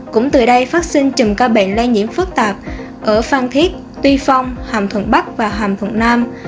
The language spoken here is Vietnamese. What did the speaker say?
cũng từ đây phát sinh chùm ca bệnh lây nhiễm phức tạp ở phan thiết tuy phong hàm thuận bắc và hàm thuận nam